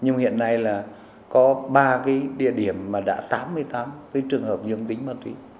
nhưng hiện nay là có ba cái địa điểm mà đã tám mươi tám cái trường hợp dương tính ma túy